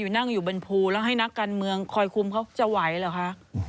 นั่งอยู่บนภูแล้วให้นักการเมืองคอยคุมเขาจะไหวเหรอคะ